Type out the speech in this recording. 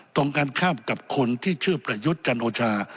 ตรงกันข้ามกับคนที่ชื่อประยุทธ์จันโอชา